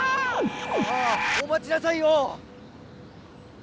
ああおまちなさいよ！